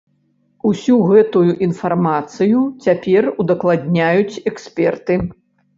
Усю гэтую інфармацыю цяпер удакладняюць эксперты.